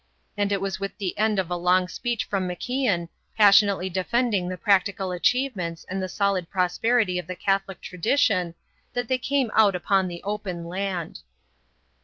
And it was with the end of a long speech from MacIan, passionately defending the practical achievements and the solid prosperity of the Catholic tradition, that they came out upon the open land.